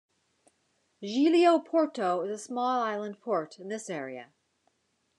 Giglio Porto is a small island port in this area.